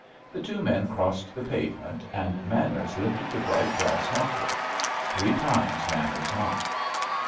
The two men crossed the pavement, and Manners lifted the bright brass knocker. Three times Manners knocked.